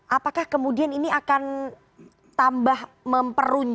apakah kemudian ini akan tambah memperunya